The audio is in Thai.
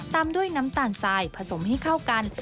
ตามด้วยน้ำตาลทรายผสมให้เข้ากัน